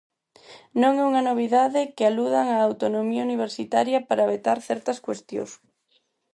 Non é unha novidade que aludan á autonomía universitaria para vetar certas cuestións.